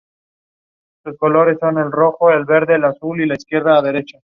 Actualmente en ella anidan diversas especies animales, principalmente de aves.